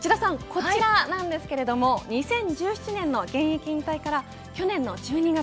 こちらなんですけれども２０１７年の現役引退から去年の１２月